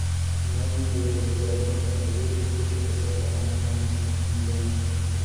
میں بھی بے روزگار ہوں مجھے بھی کچھ ایسا کام ڈھونڈ دیں